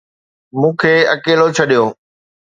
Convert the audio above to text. مون کي اڪيلو ڇڏيو